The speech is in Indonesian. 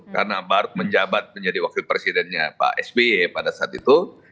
karena baru menjabat menjadi wakil presidennya pak sby pada saat itu